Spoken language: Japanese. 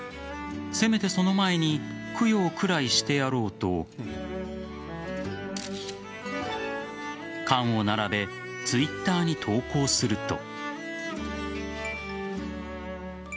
せめてその前に供養くらいしてやろうと缶を並べＴｗｉｔｔｅｒに投稿すると。